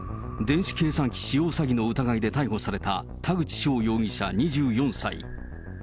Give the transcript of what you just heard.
電子計算機使用詐欺の疑いで逮捕された、田口翔容疑者２４歳。